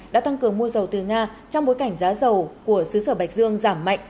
đã tăng cường mua dầu từ nga trong bối cảnh giá dầu của xứ sở bạch dương giảm mạnh